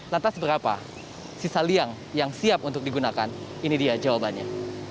lantas berapa sisa liang yang siap untuk digunakan ini dia jawabannya